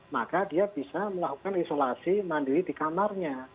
maka dia bisa melakukan isolasi mandiri di kamarnya